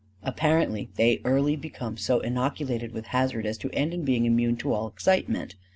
Apparently they early become so inoculated with hazard as to end in being immune to all excitement.